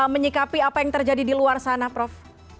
menyikapi apa yang terjadi di luar sana prof